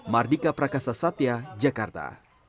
mardika prakasa satya jakarta